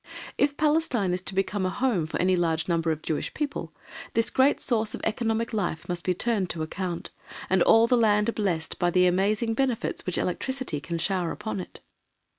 If Palestine is to become a home for any large number of the Jewish people, this great source of economic life must be turned to account, and all the land blessed by the amazing benefits which electricity can shower upon it.